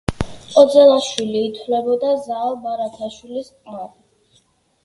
ოძელაშვილი ითვლებოდა ზაალ ბარათაშვილის ყმად.